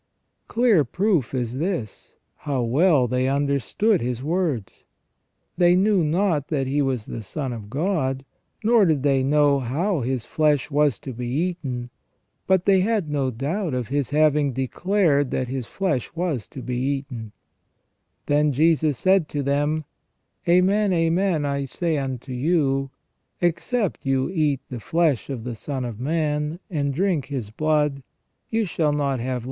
Clear proof is this how well they understood His words. They knew not that He was the Son of God, nor did they know how His flesh was to be eaten ; but they had no doubt of His having declared that His flesh was to be eaten :" Then Jesus said to them : Amen, amen, I say unto you, except you eat the flesh of the Son of Man, and drink His blood, you shall not have * Theophylact, Comment, in Joan, c. vi. 368 THE REGENERATION OF MAN.